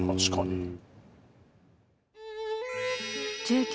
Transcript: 確かに。